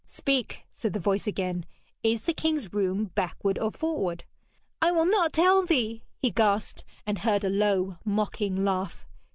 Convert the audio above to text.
'Speak!' said the voice again. 'Is the king's room backward or forward?' 'I will not tell thee!' he gasped, and heard a low mocking laugh.